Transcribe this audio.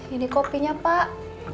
ini kopinya pak